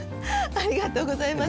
ありがとうございます。